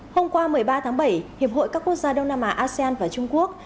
hôm qua một mươi ba tháng bảy hiệp hội các quốc gia đông nam á asean và trung quốc